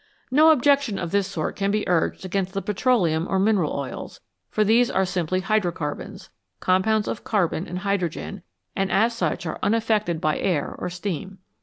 No objection of this sort can be urged against the petroleum or mineral oils, for these are simply hydrocarbons, compounds of carbon and hydro gen, and as such are unaffected by air or steam.